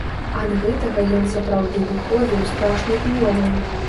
Ад гэтага ён сапраўды выходзіў страшны і новы.